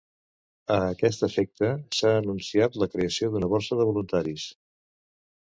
A aquest efecte, s'ha anunciat la creació d'una borsa de voluntaris.